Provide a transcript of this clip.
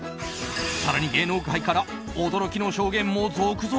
更に芸能界から驚きの証言も続々？